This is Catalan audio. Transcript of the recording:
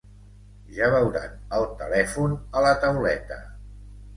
Ja veuran el telèfon a la tauleta.